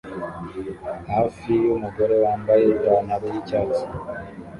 hafi y’umugore wambaye ipantaro yicyatsi